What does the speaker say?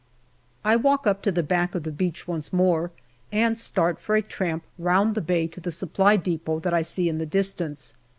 I walk up to the back of the beach once more, and start for a tramp round the bay to the Supply depot that I see in the distance.